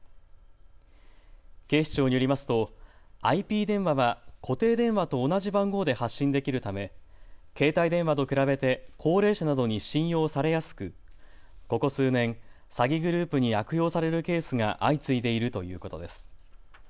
警視庁によりますとＩＰ電話は固定電話と同じ番号で発信できるため携帯電話と比べて高齢者などに信用されやすくここ数年、詐欺グループに悪用されるケースが相次いでいるということです。